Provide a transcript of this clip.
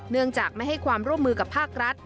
เนื่องจากไม่ให้ความร่วมมือกับภาครัฐ